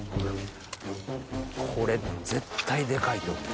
これ絶対デカいと思う。